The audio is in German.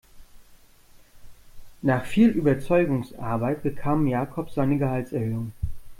Nach viel Überzeugungsarbeit bekam Jakob seine Gehaltserhöhung.